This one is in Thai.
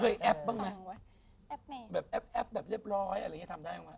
เคยแอปบ้างไหมแอปแบบเรียบร้อยอะไรอย่างนี้ทำได้ไหม